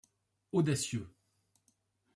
Audacieux